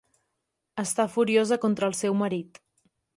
Està furiosa contra el seu marit.